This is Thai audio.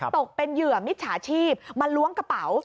ตกเป็นเหยื่อมิจฉาชีพมาล้วงกระเป๋า